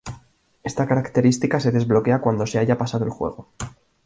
Esta característica se desbloquea cuando se haya pasado el juego.